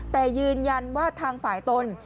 แต่ยืนยันว่าทางฝ่ายตน